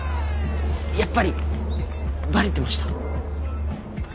やっぱりバレてました？